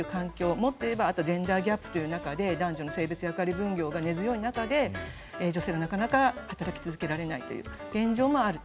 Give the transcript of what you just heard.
もっと言えばジェンダー・ギャップという中で男女の性別や家事分業が根強い中で女性がなかなか働き続けられないという現状もあると。